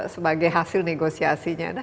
sebagai hasil negosiasinya